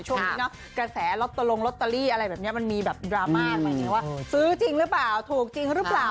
ช่วงนี้เนอะกระแสล็อตลงลอตเตอรี่อะไรแบบนี้มันมีแบบดราม่าออกมาไงว่าซื้อจริงหรือเปล่าถูกจริงหรือเปล่า